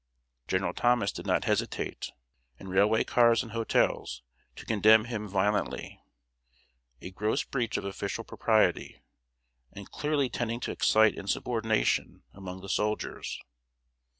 General Thomas did not hesitate, in railway cars and hotels, to condemn him violently a gross breach of official propriety, and clearly tending to excite insubordination among the soldiers.